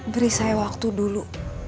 beri saya waktu dulu